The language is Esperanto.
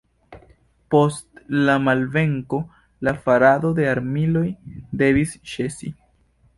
Post la malvenko la farado de armiloj devis ĉesi.